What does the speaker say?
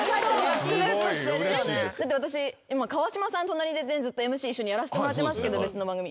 隣でずっとＭＣ一緒にやらせてもらってますけど別の番組。